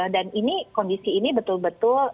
dan ini kondisi ini betul betul